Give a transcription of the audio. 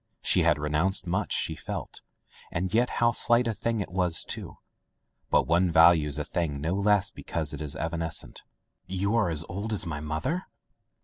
She had renounced much, she felt — and yet how slight a thing it was, too! But one values a thing no less because it is evanescent. "You as old as my mother!'